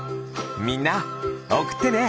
みんなおくってね。